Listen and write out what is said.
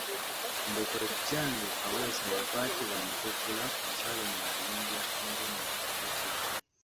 Mbu kkojjange Kaweesa yakwatibwa Mutukula ku nsalo ng'ayingira Tanzania adduke ekibabu.